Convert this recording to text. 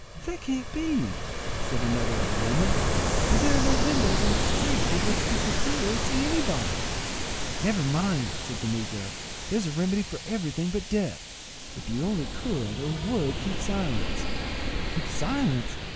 "That can't be," said another of the women, "for there are no windows on the street through which we could hear or see anybody." "Never mind" said the negro; "there's a remedy for everything but death. If you only could or would keep silence—" "Keep silence!